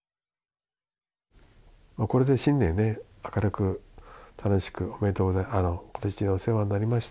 これで新年ね明るく楽しくおめでとうござい今年中はお世話になりました